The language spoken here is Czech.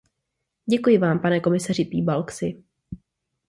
Děkuji vám, pane komisaři Piebalgsi.